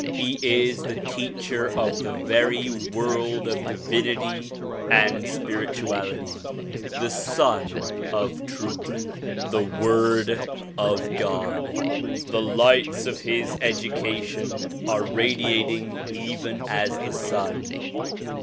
He is the teacher of the very world of divinity and spirituality, the Sun of Truth, the Word of God. The lights of his education are radiat ing even as the sun.